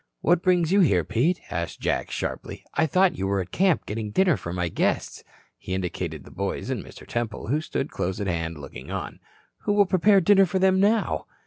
"What brings you here, Pete?" asked Jack, sharply. "I thought you were at camp, getting dinner for my guests." He indicated the boys and Mr. Temple, who stood close at hand, looking on. "Who will prepare dinner for them now?"